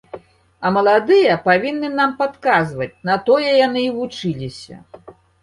А маладыя павінны нам падказваць, на тое яны і вучыліся.